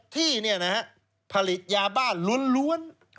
๖ที่นี่นะครับผลิตยาบ้าล้วน